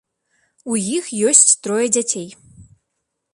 У іх ёсць трое дзяцей.